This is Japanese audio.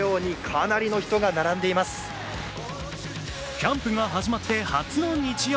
キャンプが始まって初の日曜。